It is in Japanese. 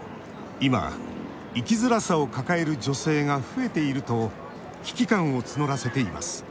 今、生きづらさを抱える女性が増えていると危機感を募らせています